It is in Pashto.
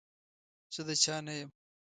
زه د چا نه يم.